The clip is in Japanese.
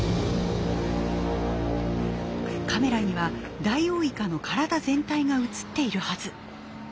カメラにはダイオウイカの体全体が写っているはず。